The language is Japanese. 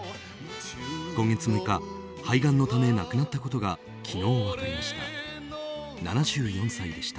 今月６日、肺がんのため亡くなったことが昨日、分かりました。